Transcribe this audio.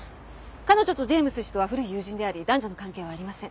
彼女とジェームズ氏とは古い友人であり男女の関係はありません。